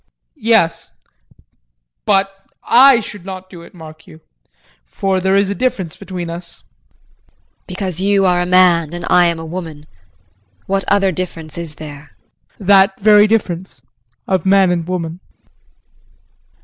JEAN. Yes. But I should not do it, mark you, for there is a difference between us. JULIE. Because you are a man and I am a woman? What other difference is there? JEAN. That very difference of man and woman.